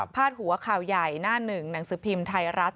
หัวข่าวใหญ่หน้าหนึ่งหนังสือพิมพ์ไทยรัฐ